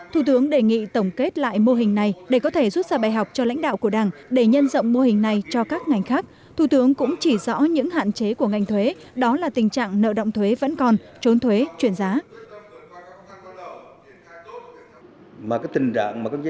thủ tướng đề nghị tổng kết lại mô hình này để có thể rút ra bài học cho lãnh đạo của đảng để nhân rộng mô hình này cho các ngành khác thủ tướng cũng chỉ rõ những hạn chế của ngành thuế đó là tình trạng nợ động thuế vẫn còn trốn thuế chuyển giá